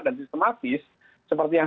dan sistematis seperti yang